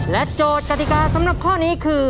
โจทย์กติกาสำหรับข้อนี้คือ